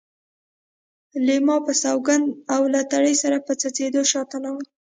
ليلما په سونګېدو او له تړې سره په څخېدو شاته لاړه.